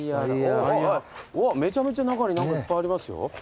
めちゃめちゃ中に何かいっぱいありますよ。